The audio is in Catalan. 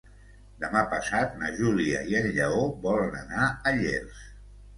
Demà passat na Júlia i en Lleó volen anar a Llers.